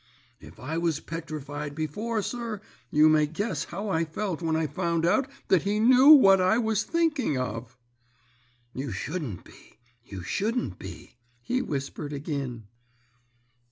"If I was petrified before, sir, you may guess how I felt when I found out that he knew what I was thinking of. "'You shouldn't be, you shouldn't be,' he whispered agin.